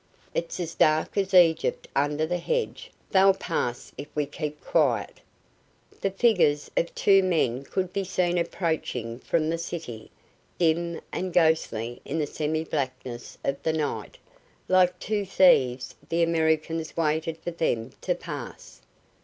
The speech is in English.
It's as dark as Egypt under this hedge. They'll pass if we keep quiet." The figures of two men could be seen approaching from the city, dim and ghostly in the semi blackness of the night. Like two thieves the Americans waited for them to pass.